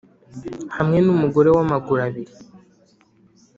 hamwe numugore wamaguru abiri